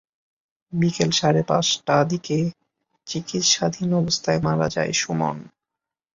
বিকেল সাড়ে পাঁচটা দিকে চিকিৎসাধীন অবস্থায় মারা যায় সুমন।